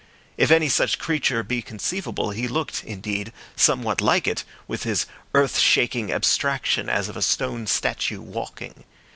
If any such creature be conceivable, he looked, indeed, somewhat like it, with his earth shaking abstraction, as of a stone statue walking.